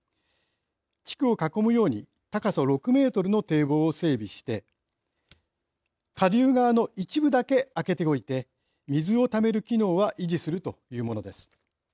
地区を囲むように高さ６メートルの堤防を整備して下流側の一部だけ空けておいて水をためる機能は維持するというものです。